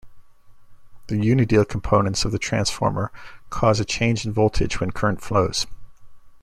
The unideal components of the transformer cause a change in voltage when current flows.